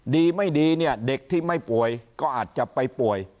ดีไม่ดีเนี่ยเด็กที่ไม่ป่วยก็อาจจะไปป่วย